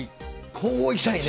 こういきたいね。